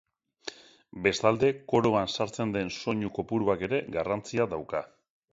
Bestalde, koroan sartzen den soinu kopuruak ere garrantzia dauka.